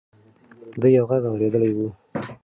ده یو غږ اورېدلی و.